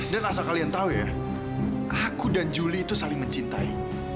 dan asal kalian tau ya aku dan juli itu saling mencintai